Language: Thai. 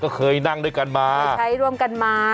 ก็เคยนั่งด้วยกันมาใช้ร่วมกันมา